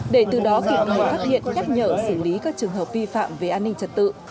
để từ đó kịp thời phát hiện nhắc nhở xử lý các trường hợp vi phạm về an ninh trật tự